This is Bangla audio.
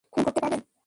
খুন করতে পারবে?